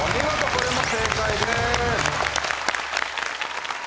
これも正解です。